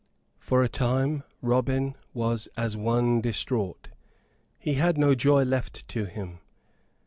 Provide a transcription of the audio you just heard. For a time Robin was as one distraught. He had no joy left to him.